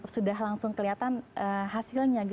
sudah langsung kelihatan hasilnya